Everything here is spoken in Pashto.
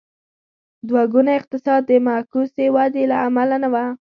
دوه ګونی اقتصاد د معکوسې ودې له امله نه و.